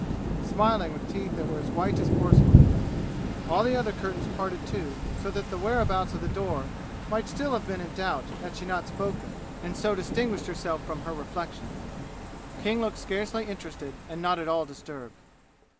smiling with teeth that were as white as porcelain. All the other curtains parted too, so that the whereabouts of the door might still have been in doubt had she not spoken and so distinguished herself from her reflections. King looked scarcely interested and not at all disturbed.